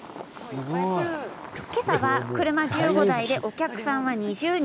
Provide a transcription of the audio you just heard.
今朝は車１５台でお客さんは２０人。